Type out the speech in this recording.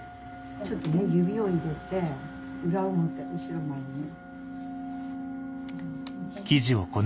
ちょっとね指を入れて裏表後ろ前にね。